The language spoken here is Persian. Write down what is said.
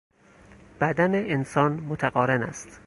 بدن انسان متقارن است.